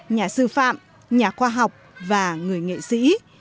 nhà sư phạm nhà khoa học và người nghệ sĩ